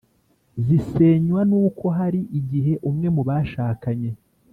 zisenywa n’uko hari igihe umwe mu bashakanye